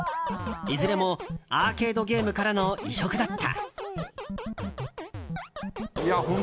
いずれもアーケードゲームからの移植だった。